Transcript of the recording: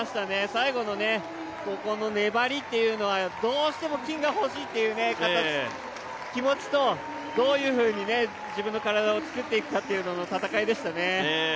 最後のここの粘りというのは、どうしても金がほしいという気持ちとどういうふうに自分の体を作っていくかの戦いでしたね。